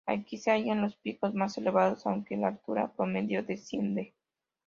Aquí se hallan los picos más elevados, aunque la altura promedio desciende.